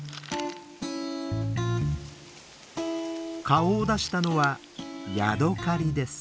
顔を出したのはヤドカリです。